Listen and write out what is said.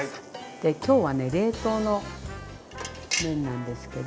今日はね冷凍の麺なんですけど。